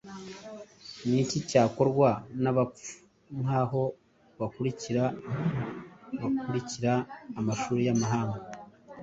Niki cyakorwa nabapfu nkabo bakurikira bakurikira amashuri yamahanga?